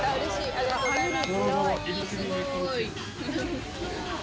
ありがとうございます。